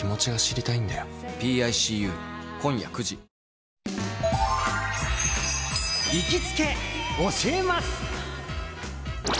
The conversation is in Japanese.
さあ、行きつけ教えます！